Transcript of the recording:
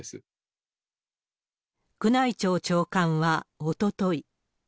宮内庁長官はおととい。